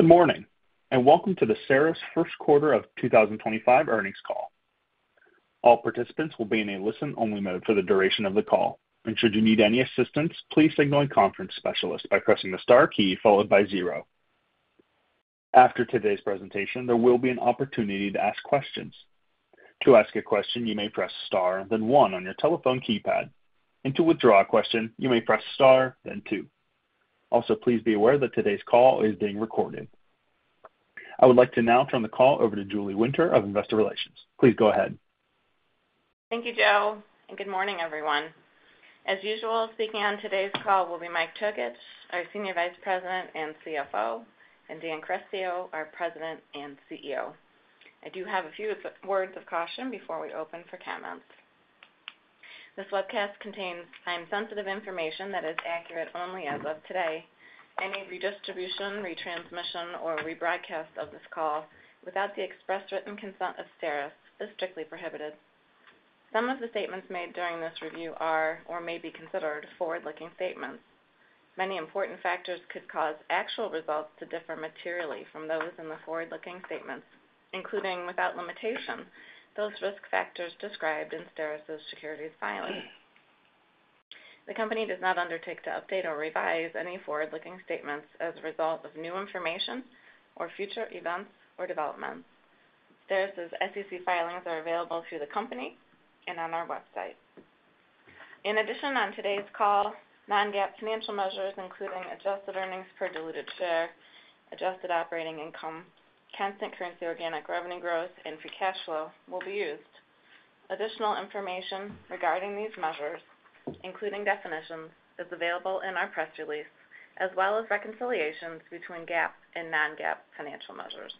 Good morning, and welcome to the STERIS First Quarter of 2025 Earnings Call. All participants will be in a listen-only mode for the duration of the call, and should you need any assistance, please signal a conference specialist by pressing the star key followed by zero. After today's presentation, there will be an opportunity to ask questions. To ask a question, you may press star, then one on your telephone keypad, and to withdraw a question, you may press star, then two. Also, please be aware that today's call is being recorded. I would like to now turn the call over to Julie Winter of Investor Relations. Please go ahead. Thank you, Joe, and good morning, everyone. As usual, speaking on today's call will be Mike Tokich, our Senior Vice President and Chief Financial Officer, and Dan Carestio, our President and Chief Executive Officer. I do have a few words of caution before we open for comments. This webcast contains sensitive information that is accurate only as of today. Any redistribution, retransmission, or rebroadcast of this call without the express written consent of STERIS is strictly prohibited. Some of the statements made during this review are or may be considered forward-looking statements. Many important factors could cause actual results to differ materially from those in the forward-looking statements, including, without limitation, those risk factors described in STERIS's SEC filing. The company does not undertake to update or revise any forward-looking statements as a result of new information or future events or developments. STERIS's SEC filings are available through the company and on our website.In addition, on today's call, non-GAAP financial measures, including adjusted earnings per diluted share, adjusted operating income, constant currency, organic revenue growth, and free cash flow, will be used. Additional information regarding these measures, including definitions, is available in our press release, as well as reconciliations between GAAP and non-GAAP financial measures.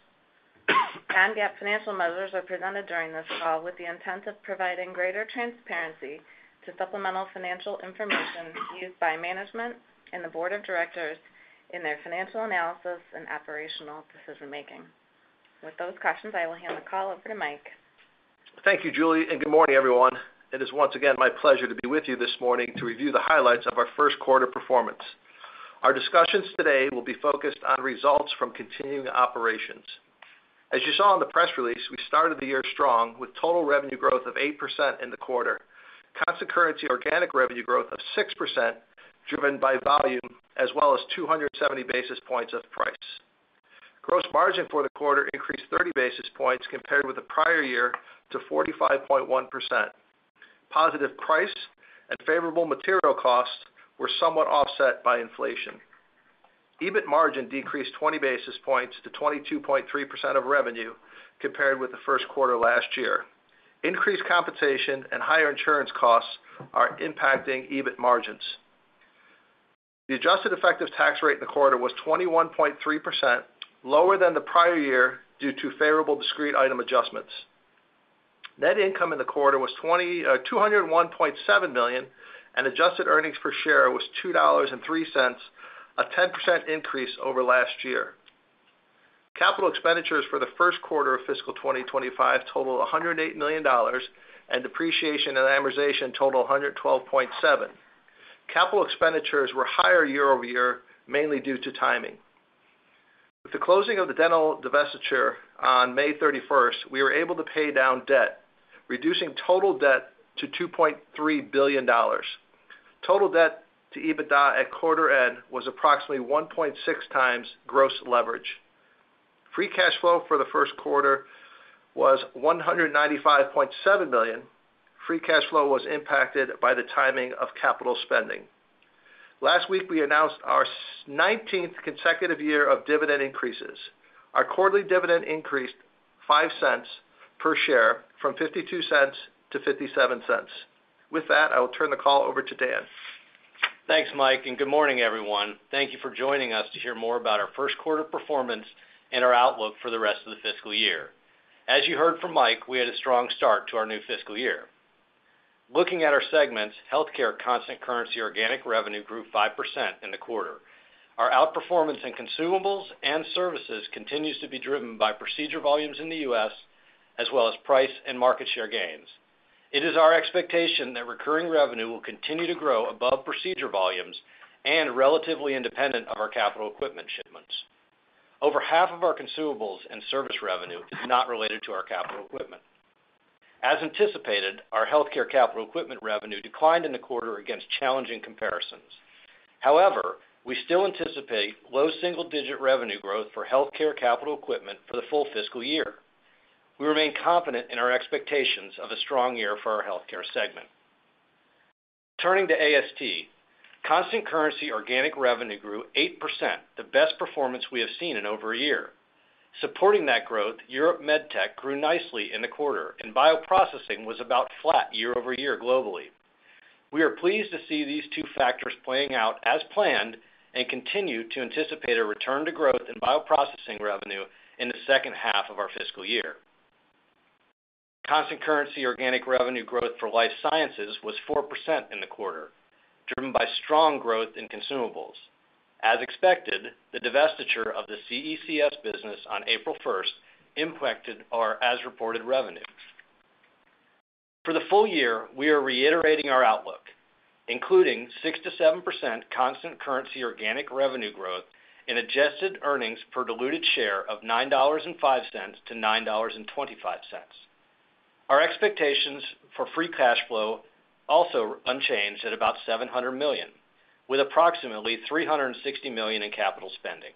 Non-GAAP financial measures are presented during this call with the intent of providing greater transparency to supplemental financial information used by management and the board of directors in their financial analysis and operational decision-making. With those cautions, I will hand the call over to Mike. Thank you, Julie, and good morning, everyone. It is once again my pleasure to be with you this morning to review the highlights of our first quarter performance. Our discussions today will be focused on results from continuing operations. As you saw in the press release, we started the year strong, with total revenue growth of 8% in the quarter, constant currency organic revenue growth of 6%, driven by volume, as well as 270 basis points of price. Gross margin for the quarter increased 30 basis points compared with the prior year to 45.1%. Positive price and favorable material costs were somewhat offset by inflation. EBIT margin decreased 20 basis points to 22.3% of revenue compared with the first quarter last year. Increased compensation and higher insurance costs are impacting EBIT margins. The adjusted effective tax rate in the quarter was 21.3%, lower than the prior year, due to favorable discrete item adjustments. Net income in the quarter was $201.7 million, and adjusted earnings per share was $2.03, a 10% increase over last year. Capital expenditures for the first quarter of fiscal 2025 totaled $108 million, and depreciation and amortization totaled $112.7 million. Capital expenditures were higher year-over-year, mainly due to timing. With the closing of the dental divestiture on May 31st, we were able to pay down debt, reducing total debt to $2.3 billion. Total debt to EBITDA at quarter end was approximately 1.6x gross leverage. Free cash flow for the first quarter was $195.7 million. Free cash flow was impacted by the timing of capital spending. Last week, we announced our 19th consecutive year of dividend increases. Our quarterly dividend increased $0.05 per share from $0.52 to $0.57. With that, I will turn the call over to Dan. Thanks, Mike, and good morning, everyone. Thank you for joining us to hear more about our first quarter performance and our outlook for the rest of the fiscal year. As you heard from Mike, we had a strong start to our new fiscal year. Looking at our segments, Healthcare constant currency organic revenue grew 5% in the quarter. Our outperformance in consumables and services continues to be driven by procedure volumes in the U.S., as well as price and market share gains. It is our expectation that recurring revenue will continue to grow above procedure volumes and relatively independent of our capital equipment shipments. Over half of our consumables and service revenue is not related to our capital equipment. As anticipated, our Healthcare capital equipment revenue declined in the quarter against challenging comparisons. However, we still anticipate low single-digit revenue growth for Healthcare capital equipment for the full fiscal year. We remain confident in our expectations of a strong year for our Healthcare segment. Turning to AST, constant currency organic revenue grew 8%, the best performance we have seen in over a year. Supporting that growth, Europe MedTech grew nicely in the quarter, and Bioprocessing was about flat year-over-year globally. We are pleased to see these two factors playing out as planned and continue to anticipate a return to growth in Bioprocessing revenue in the second half of our fiscal year. Constant currency organic revenue growth for Life Sciences was 4% in the quarter, driven by strong growth in consumables. As expected, the divestiture of the CECS business on April 1st impacted our as-reported revenue. For the full year, we are reiterating our outlook, including 6%-7% constant currency organic revenue growth and adjusted earnings per diluted share of $9.05-$9.25. Our expectations for free cash flow also unchanged at about $700 million, with approximately $360 million in capital spending.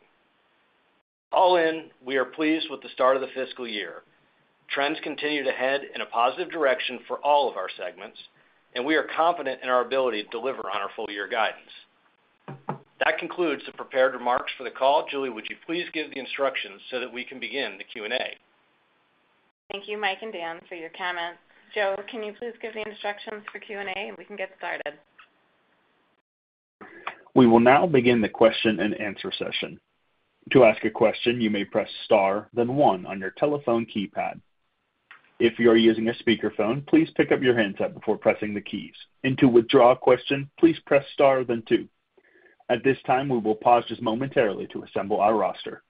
All in, we are pleased with the start of the fiscal year. Trends continue to head in a positive direction for all of our segments, and we are confident in our ability to deliver on our full-year guidance. That concludes the prepared remarks for the call. Julie, would you please give the instructions so that we can begin the Q&A? Thank you, Mike and Dan, for your comments. Joe, can you please give the instructions for Q&A, and we can get started? We will now begin the question-and-answer session. To ask a question, you may press star, then one on your telephone keypad. If you are using a speakerphone, please pick up your handset before pressing the keys. To withdraw a question, please press star, then two. At this time, we will pause just momentarily to assemble our roster.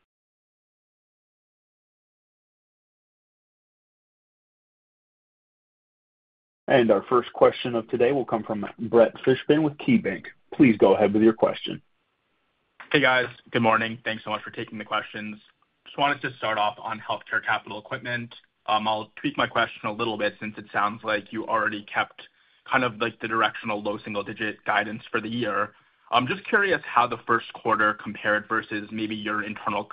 Our first question of today will come from Brett Fishbin with KeyBanc. Please go ahead with your question. Hey, guys. Good morning. Thanks so much for taking the questions. Just wanted to start off on healthcare capital equipment. I'll tweak my question a little bit since it sounds like you already kept kind of like the directional low single-digit guidance for the year. I'm just curious how the first quarter compared versus maybe your internal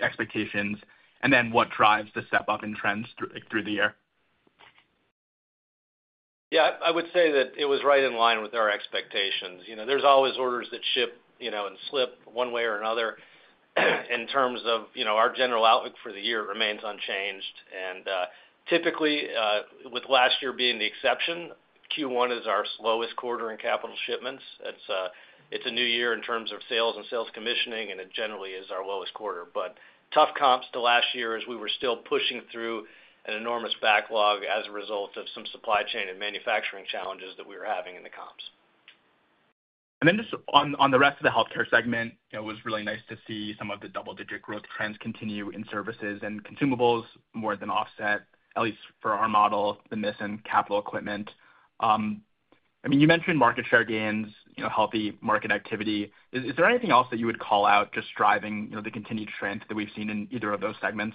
expectations, and then what drives the step-up in trends through the year? Yeah, I would say that it was right in line with our expectations. You know, there's always orders that ship, you know, and slip one way or another. In terms of, you know, our general outlook for the year remains unchanged. Typically, with last year being the exception, Q1 is our slowest quarter in capital shipments. It's a new year in terms of sales and sales commissioning, and it generally is our lowest quarter, but tough comps to last year as we were still pushing through an enormous backlog as a result of some supply chain and manufacturing challenges that we were having in the comps. And then just on the rest of the healthcare segment, it was really nice to see some of the double-digit growth trends continue in services and consumables, more than offset, at least for our model, the miss in capital equipment. I mean, you mentioned market share gains, you know, healthy market activity. Is there anything else that you would call out just driving, you know, the continued trend that we've seen in either of those segments?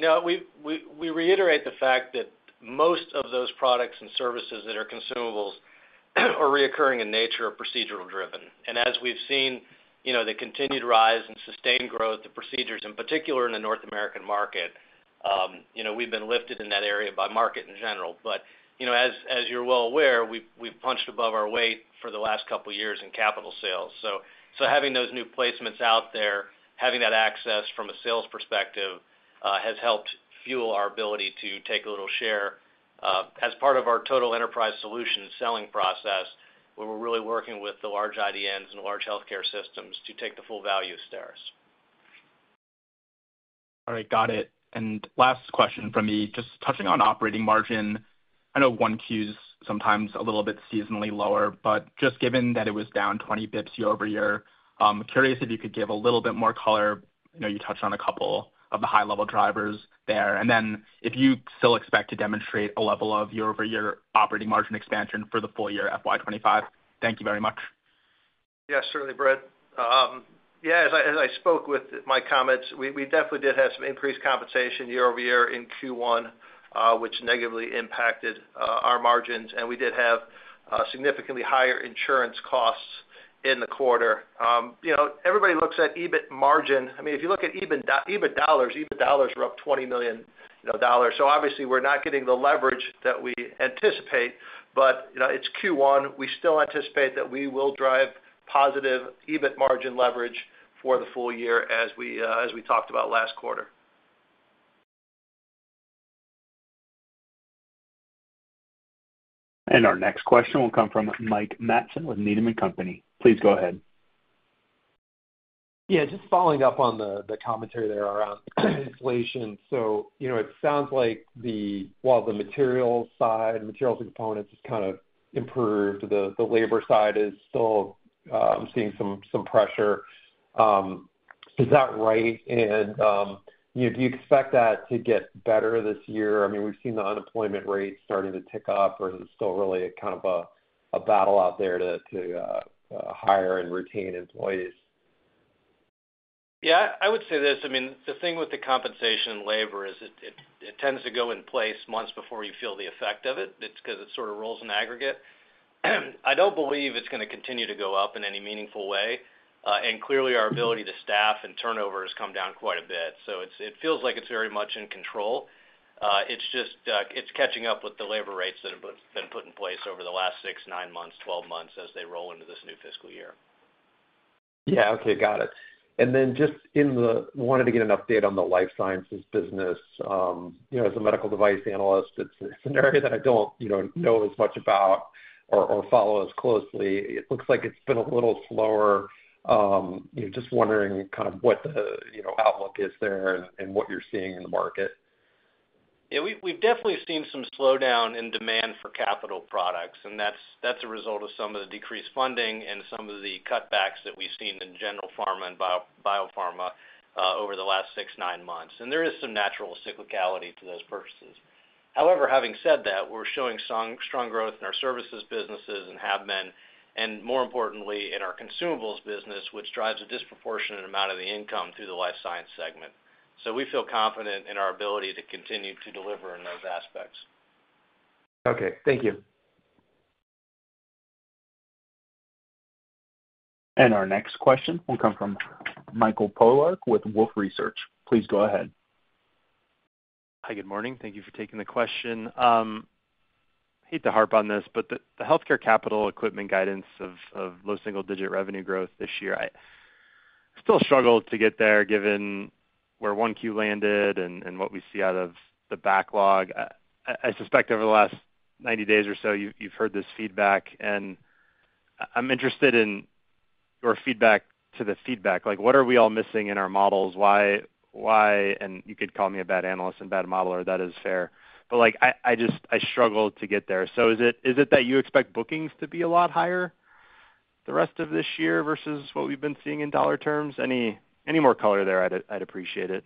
You know, we reiterate the fact that most of those products and services that are consumables are recurring in nature or procedural driven. And as we've seen, you know, the continued rise and sustained growth, the procedures, in particular in the North American market, you know, we've been lifted in that area by market in general. But, you know, as you're well aware, we've punched above our weight for the last couple of years in capital sales. So having those new placements out there, having that access from a sales perspective, has helped fuel our ability to take a little share, as part of our total enterprise solution selling process, where we're really working with the large IDNs and large healthcare systems to take the full value of STERIS. All right, got it. And last question from me, just touching on operating margin. I know Q1 is sometimes a little bit seasonally lower, but just given that it was down 20 basis points year-over-year, curious if you could give a little bit more color. I know you touched on a couple of the high-level drivers there, and then if you still expect to demonstrate a level of year-over-year operating margin expansion for the full year, FY 2025. Thank you very much. Yeah, certainly, Brett. Yeah, as I, as I spoke with my comments, we, we definitely did have some increased compensation year-over-year in Q1, which negatively impacted our margins, and we did have significantly higher insurance costs in the quarter. You know, everybody looks at EBIT margin. I mean, if you look at EBIT dollars, EBIT dollars were up $20 million. So obviously, we're not getting the leverage that we anticipate, but, you know, it's Q1. We still anticipate that we will drive positive EBIT margin leverage for the full year as we, as we talked about last quarter. Our next question will come from Mike Matson with Needham & Company. Please go ahead. Yeah, just following up on the commentary there around inflation. So you know, it sounds like while the material side, materials and components has kind of improved, the labor side is still seeing some pressure. Is that right? And do you expect that to get better this year? I mean, we've seen the unemployment rate starting to tick up, or is it still really kind of a battle out there to hire and retain employees? Yeah, I would say this: I mean, the thing with the compensation and labor is it tends to go in place months before you feel the effect of it. It's because it sort of rolls in aggregate. I don't believe it's going to continue to go up in any meaningful way, and clearly, our ability to staff and turnover has come down quite a bit. So it feels like it's very much in control. It's just, it's catching up with the labor rates that have been put in place over the last six, nine months, twelve months, as they roll into this new fiscal year. Yeah. Okay, got it. And then just wanted to get an update on the Life Sciences business. You know, as a medical device analyst, it's an area that I don't, you know, know as much about or follow as closely. It looks like it's been a little slower. Just wondering kind of what the, you know, outlook is there and what you're seeing in the market. Yeah, we've definitely seen some slowdown in demand for capital products, and that's a result of some of the decreased funding and some of the cutbacks that we've seen in general pharma and biopharma over the last 6-9 months. And there is some natural cyclicality to those purchases. However, having said that, we're showing strong, strong growth in our services businesses and have been, and more importantly, in our consumables business, which drives a disproportionate amount of the income through the Life Sciences segment. So we feel confident in our ability to continue to deliver in those aspects. Okay, thank you. Our next question will come from Michael Polark with Wolfe Research. Please go ahead. Hi, good morning. Thank you for taking the question. I hate to harp on this, but the healthcare capital equipment guidance of low single-digit revenue growth this year, I still struggle to get there, given where 1Q landed and what we see out of the backlog. I suspect over the last 90 days or so, you've heard this feedback, and I'm interested in your feedback to the feedback. Like, what are we all missing in our models? Why, and you could call me a bad analyst and bad modeler, that is fair. But, like, I just struggle to get there. So is it that you expect bookings to be a lot higher the rest of this year versus what we've been seeing in dollar terms? Any more color there, I'd appreciate it.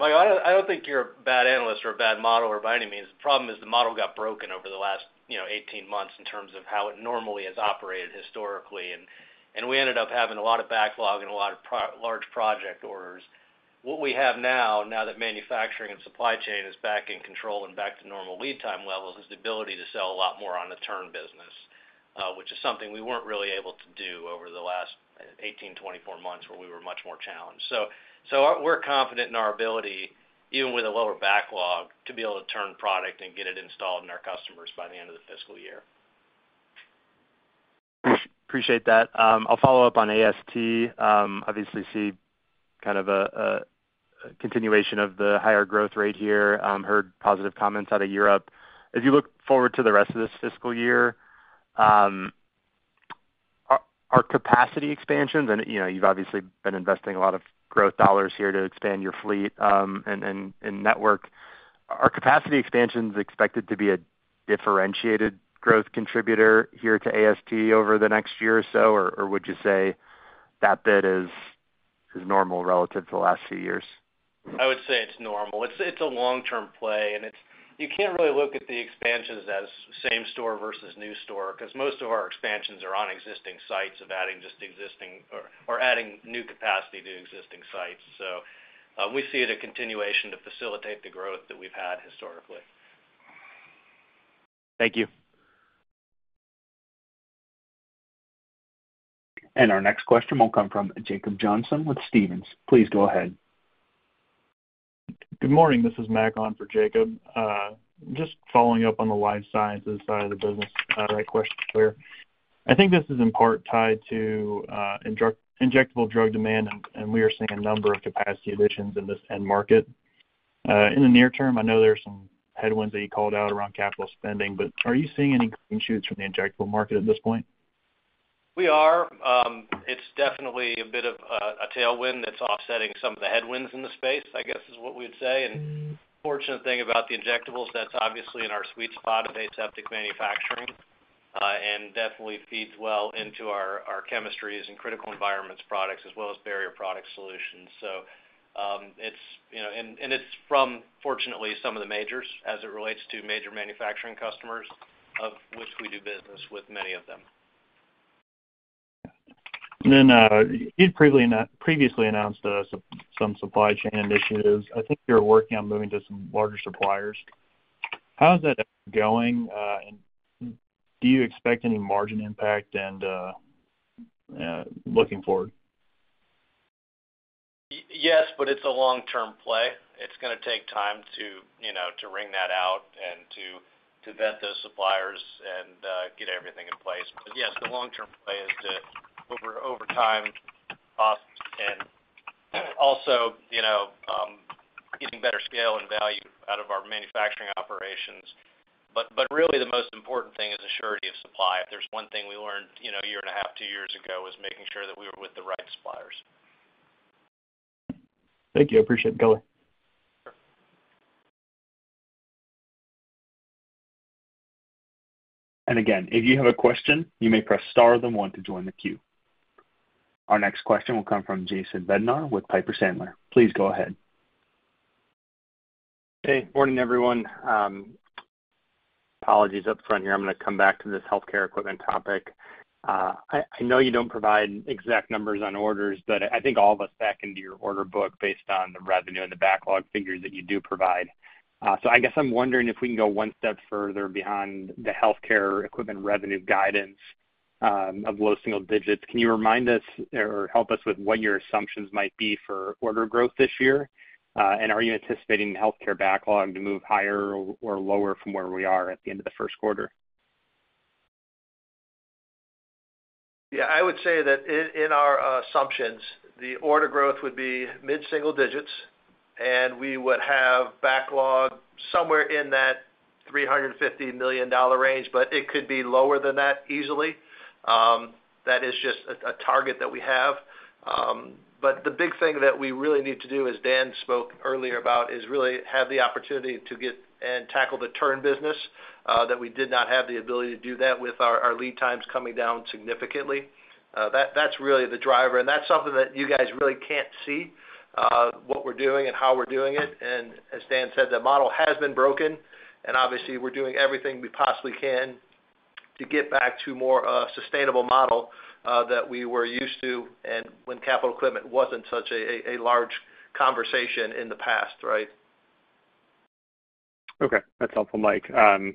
Well, I don't think you're a bad analyst or a bad modeler by any means. The problem is the model got broken over the last, you know, 18 months in terms of how it normally has operated historically, and we ended up having a lot of backlog and a lot of large project orders. What we have now, now that manufacturing and supply chain is back in control and back to normal lead time levels, is the ability to sell a lot more on the turn business, which is something we weren't really able to do over the last 18, 24 months, where we were much more challenged. So we're confident in our ability, even with a lower backlog, to be able to turn product and get it installed in our customers by the end of the fiscal year. Appreciate that. I'll follow up on AST. Obviously see kind of a continuation of the higher growth rate here, heard positive comments out of Europe. As you look forward to the rest of this fiscal year, are capacity expansions, and, you know, you've obviously been investing a lot of growth dollars here to expand your fleet, and network. Are capacity expansions expected to be a differentiated growth contributor here to AST over the next year or so? Or would you say that bit is normal relative to the last few years? I would say it's normal. It's, it's a long-term play, and it's—you can't really look at the expansions as same store versus new store, 'cause most of our expansions are on existing sites of adding just existing or, or adding new capacity to existing sites. So, we see it a continuation to facilitate the growth that we've had historically. Thank you. Our next question will come from Jacob Johnson with Stephens. Please go ahead. Good morning. This is Mac on for Jacob. Just following up on the life sciences side of the business, right question here. I think this is in part tied to injectable drug demand, and we are seeing a number of capacity additions in this end market. In the near term, I know there are some headwinds that you called out around capital spending, but are you seeing any green shoots from the injectable market at this point? We are. It's definitely a bit of a tailwind that's offsetting some of the headwinds in the space, I guess, is what we'd say. And fortunate thing about the injectables, that's obviously in our sweet spot of aseptic manufacturing, and definitely feeds well into our chemistries and critical environments products, as well as barrier product solutions. So, it's, you know, and it's from, fortunately, some of the majors, as it relates to major manufacturing customers, of which we do business with many of them. And then, you'd previously announced some supply chain initiatives. I think you're working on moving to some larger suppliers. How is that going, and do you expect any margin impact and looking forward? Yes, but it's a long-term play. It's gonna take time to, you know, to wring that out and to vet those suppliers and get everything in place. But yes, the long-term play is to, over time, costs and also, you know, getting better scale and value out of our manufacturing operations. But really the most important thing is assurance of supply. If there's one thing we learned, you know, a year and a half, two years ago, is making sure that we were with the right suppliers. Thank you. I appreciate the color. And again, if you have a question, you may press star, then one to join the queue. Our next question will come from Jason Bednar with Piper Sandler. Please go ahead. Hey, morning, everyone. Apologies up front here. I'm gonna come back to this healthcare equipment topic. I know you don't provide exact numbers on orders, but I think all of us back into your order book based on the revenue and the backlog figures that you do provide. So I guess I'm wondering if we can go one step further beyond the healthcare equipment revenue guidance of low single digits. Can you remind us or help us with what your assumptions might be for order growth this year? And are you anticipating the healthcare backlog to move higher or lower from where we are at the end of the first quarter? Yeah, I would say that in our assumptions, the order growth would be mid-single digits, and we would have backlog somewhere in that $350 million range, but it could be lower than that, easily. That is just a target that we have. But the big thing that we really need to do, as Dan spoke earlier about, is really have the opportunity to get and tackle the turn business that we did not have the ability to do that with our lead times coming down significantly. That's really the driver, and that's something that you guys really can't see what we're doing and how we're doing it. And as Dan said, the model has been broken, and obviously, we're doing everything we possibly can. To get back to more sustainable model that we were used to and when capital equipment wasn't such a large conversation in the past, right? Okay. That's helpful, Mike. And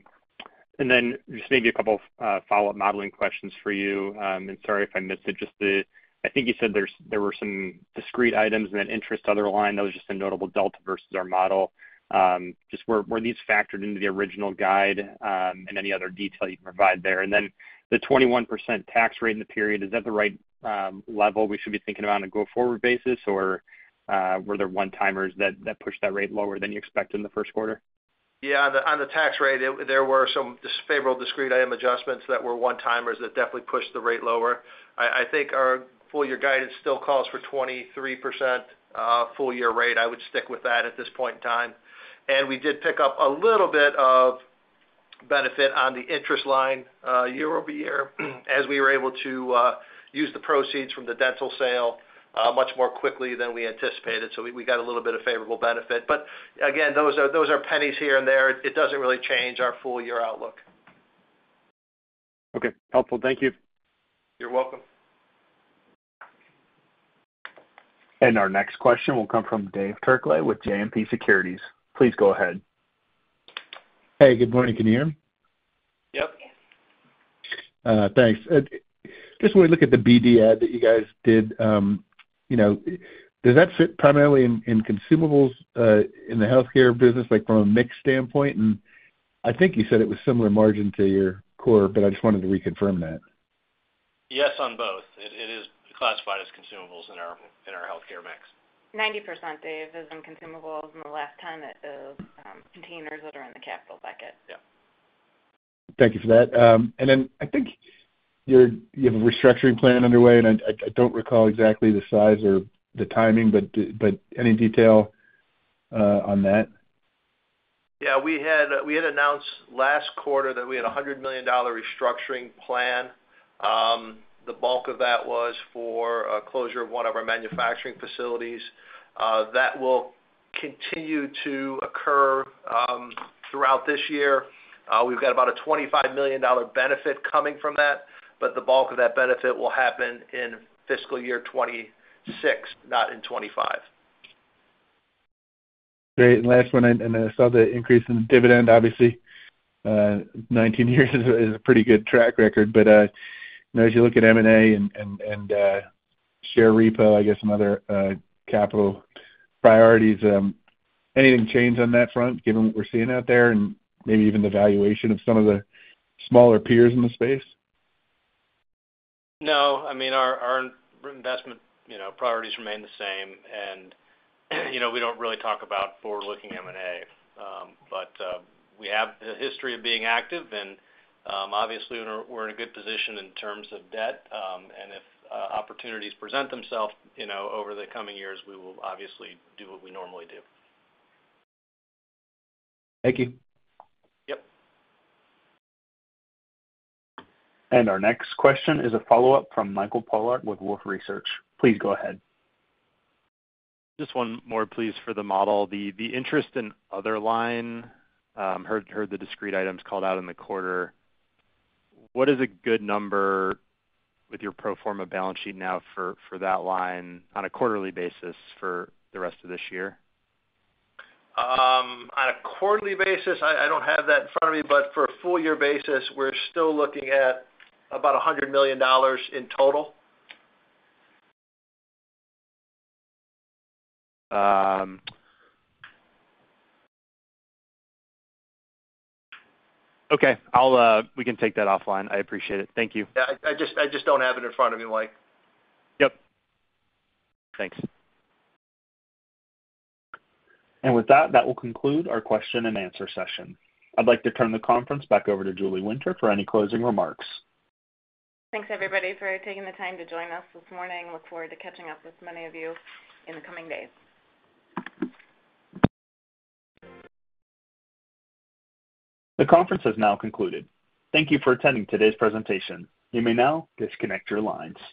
then just maybe a couple of follow-up modeling questions for you. And sorry if I missed it, just the—I think you said there were some discrete items in that interest other line. That was just a notable delta versus our model. Just were these factored into the original guide, and any other detail you can provide there? And then the 21% tax rate in the period, is that the right level we should be thinking about on a go-forward basis, or were there one-timers that pushed that rate lower than you expected in the first quarter? Yeah, on the tax rate, there were some unfavorable discrete item adjustments that were one-timers that definitely pushed the rate lower. I think our full year guidance still calls for 23%, full year rate. I would stick with that at this point in time. And we did pick up a little bit of benefit on the interest line, year-over-year, as we were able to use the proceeds from the dental sale much more quickly than we anticipated. So we got a little bit of favorable benefit. But again, those are pennies here and there. It doesn't really change our full year outlook. Okay. Helpful. Thank you. You're welcome. Our next question will come from Dave Turkaly with JMP Securities. Please go ahead. Hey, good morning. Can you hear me? Yep. Yes. Thanks. Just when we look at the BD add that you guys did, you know, does that fit primarily in, in consumables, in the healthcare business, like from a mix standpoint? I think you said it was similar margin to your core, but I just wanted to reconfirm that. Yes, on both. It is classified as consumables in our healthcare mix. 90%, Dave, is on consumables, and the last 10 is those, containers that are in the capital bucket. Yeah. Thank you for that. And then I think you have a restructuring plan underway, and I don't recall exactly the size or the timing, but any detail on that? Yeah, we had, we had announced last quarter that we had a $100 million restructuring plan. The bulk of that was for a closure of one of our manufacturing facilities. That will continue to occur throughout this year. We've got about a $25 million benefit coming from that, but the bulk of that benefit will happen in fiscal year 2026, not in 2025. Great. And last one, I saw the increase in the dividend, obviously. 19 years is a pretty good track record, but, you know, as you look at M&A and share repo, I guess, some other capital priorities, anything change on that front, given what we're seeing out there and maybe even the valuation of some of the smaller peers in the space? No. I mean, our investment, you know, priorities remain the same. And, you know, we don't really talk about forward-looking M&A. But we have a history of being active, and obviously, we're in a good position in terms of debt. And if opportunities present themselves, you know, over the coming years, we will obviously do what we normally do. Thank you. Yep. Our next question is a follow-up from Michael Polark with Wolfe Research. Please go ahead. Just one more, please, for the model. The interest and other line. I heard the discrete items called out in the quarter. What is a good number with your pro forma balance sheet now for that line on a quarterly basis for the rest of this year? On a quarterly basis, I don't have that in front of me, but for a full year basis, we're still looking at about $100 million in total. Okay, I'll, we can take that offline. I appreciate it. Thank you. Yeah, I just don't have it in front of me, Mike. Yep. Thanks. With that, that will conclude our question-and-answer session. I'd like to turn the conference back over to Julie Winter for any closing remarks. Thanks, everybody, for taking the time to join us this morning. Look forward to catching up with many of you in the coming days. The conference has now concluded. Thank you for attending today's presentation. You may now disconnect your lines.